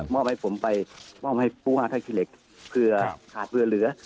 มอบให้ผมไปมอบให้ปั้วถ้าคิดเหล็กเผื่อขาดเบื้อเหลือ